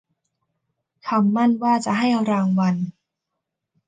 คำมั่นว่าจะให้รางวัล